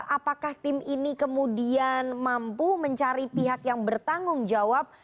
apakah tim ini kemudian mampu mencari pihak yang bertanggung jawab